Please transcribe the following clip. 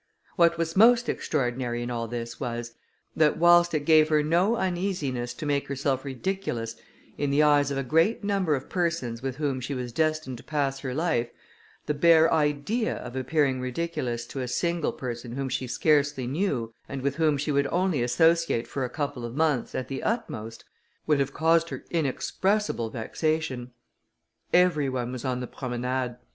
What was most extraordinary in all this was, that whilst it gave her no uneasiness to make herself ridiculous in the eyes of a great number of persons with whom she was destined to pass her life, the bare idea of appearing ridiculous to a single person whom she scarcely knew, and with whom she would only associate for a couple of months, at the utmost, would have caused her inexpressible vexation. Every one was on the promenade.